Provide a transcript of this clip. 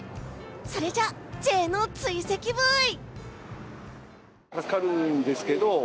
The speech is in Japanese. それじゃ、Ｊの追跡ブイ！